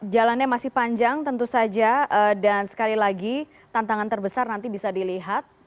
jalannya masih panjang tentu saja dan sekali lagi tantangan terbesar nanti bisa dilihat